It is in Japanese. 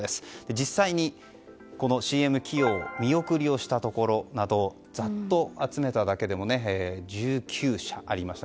実際に、ＣＭ起用を見送りしたところなどをざっと集めただけでも１９社ありました。